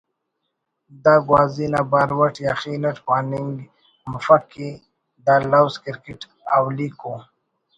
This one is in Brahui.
دا گوازی نا باور اٹ یخین اٹ پاننگ مفک کہ کہ دا لوز ”کرکٹ“ اولیکو